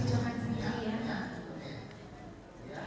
bapak bisa mencoba sendiri ya